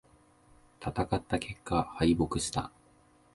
戦った結果、敗北した。